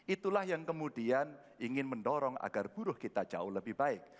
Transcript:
itulah yang kemudian ingin mendorong agar buruh kita jauh lebih baik